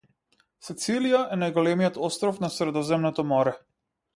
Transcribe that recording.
Сицилија е најголемиот остров на Средоземното Море.